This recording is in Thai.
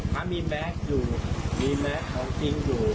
ถ้ามีแม็กซ์อยู่มีแม็กซ์ของจริงอยู่